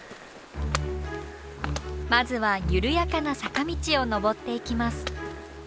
まずは緩やかな坂道を登っていきます。